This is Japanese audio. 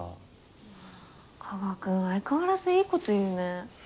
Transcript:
加鹿君相変わらずいいこと言うね。